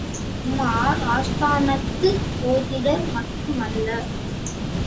உமார், ஆஸ்தானத்துச் சோதிடர் மட்டுமல்ல.